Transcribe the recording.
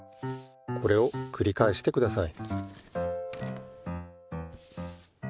これをくりかえしてください。